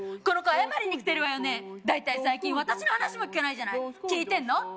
この子謝りに来てるわよね大体最近私の話も聞かないじゃない聞いてんの？